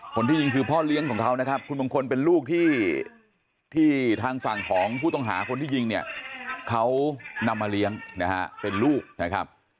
คนที่ยิงคือพ่อเลี้ยงของเขานะครับคุณมงคลเป็นลูกที่ทางฝั่งของผู้ต้องหาคนที่ยิงเนี่ยเขานำมาเลี้ยงนะฮะเป็นลูกนะครับ